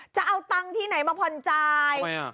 จะเอาตังที่ไหนมาผ่อนจ่ายทำไมอ่ะ